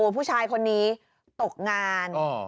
ผู้ชายคนนี้ตกงาน